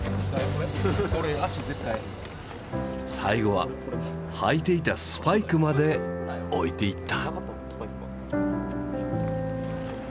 最後は履いていたスパイクまで置いていった。